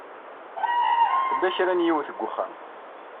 Tella kra n yiwet deg uxxam.